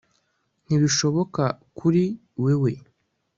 nibishoboka kuri wewe